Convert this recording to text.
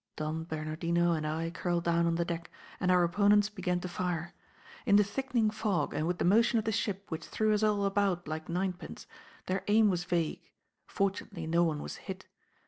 Don Bernardino and I curled down on the deck, and our opponents began to fire. In the thickening fog, and with the motion of the ship which threw us all about like ninepins, their aim was vague; fortunately no one was hit.